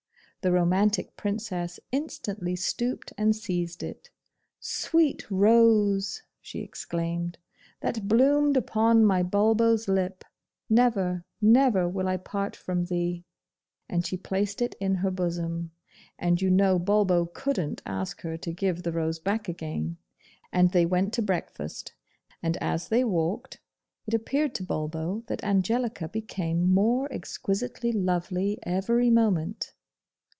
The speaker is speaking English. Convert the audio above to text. The romantic Princess instantly stooped and seized it. 'Sweet rose!' she exclaimed, 'that bloomed upon my Bulbo's lip, never, never will I part from thee!' and she placed it in her bosom. And you know Bulbo COULDN'T ask her to give the rose back again. And they went to breakfast; and as they walked, it appeared to Bulbo that Angelica became more exquisitely lovely every moment.